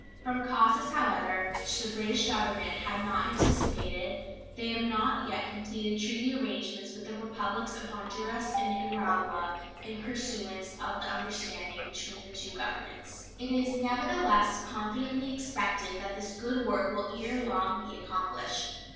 From causes, however, which the British Government had not anticipated, they have not yet completed treaty arrangements with the Republics of Honduras and Nicaragua, in pursuance of the understanding between the two Governments. It is, nevertheless, confidently expected that this good work will ere long be accomplished.